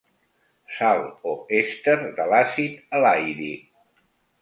Sal o èster de l'àcid elaídic.